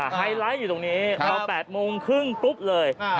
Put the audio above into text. ไฮไลท์อยู่ตรงนี้พอ๘โมงครึ่งปุ๊บเลย